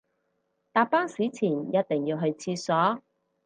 搭巴士前一定要去廁所